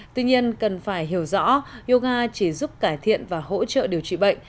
tuy nhiên cần phải hiểu rõ yoga chỉ giúp cải thiện và hỗ trợ điều trị bệnh